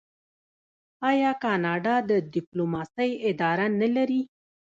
آیا کاناډا د ډیپلوماسۍ اداره نلري؟